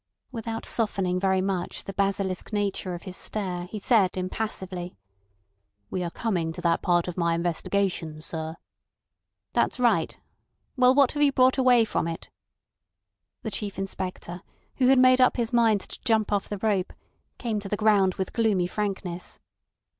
Without softening very much the basilisk nature of his stare, he said impassively: "We are coming to that part of my investigation, sir." "That's right. Well, what have you brought away from it?" The Chief Inspector, who had made up his mind to jump off the rope, came to the ground with gloomy frankness.